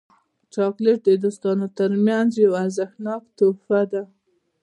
چاکلېټ د دوستانو ترمنځ یو ارزښتناک تحفه ده.